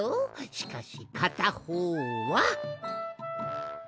しかしかたほうは。